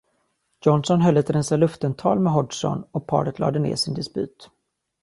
Johnson höll ett rensa-luften-tal med Hodgson och paret lade ner sin dispyt.